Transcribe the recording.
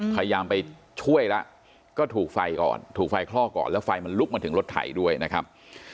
พยายามไปช่วยแล้วก็ถูกไฟก่อนถูกไฟคลอกก่อนแล้วไฟมันลุกมาถึงรถไถด้วยนะครับ